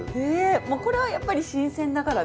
これはやっぱり新鮮だからですか？